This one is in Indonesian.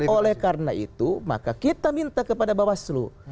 maka oleh karena itu kita minta kepada bawaslu